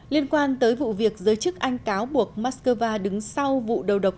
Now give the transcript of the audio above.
liên quan tới vụ việc giới chức anh cáo buộc moscow đứng sau vụ đầu độc